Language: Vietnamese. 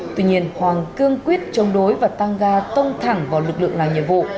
tuy nhiên hoàng cương quyết chống đối và tăng ga tông thẳng vào lực lượng làm nhiệm vụ